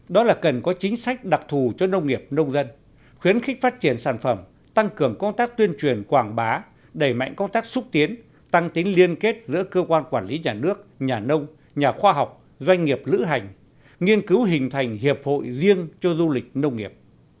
đó là cần có chính sách đặc thù cho nông nghiệp nông dân khuyến khích phát triển sản phẩm tăng cường công tác tuyên truyền quảng bá đẩy mạnh công tác xúc tiến tăng tính liên kết giữa cơ quan quản lý nhà nước nhà nông nhà khoa học doanh nghiệp lữ hành nghiên cứu hình thành hiệp hội riêng cho du lịch nông nghiệp